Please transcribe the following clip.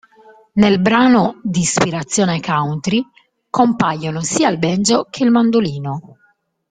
Nel brano, di ispirazione country, compaiono sia il banjo che il mandolino.